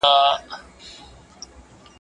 o حب د دنيا، سر د خطا.